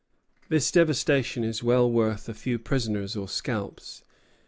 This devastation is well worth a few prisoners or scalps."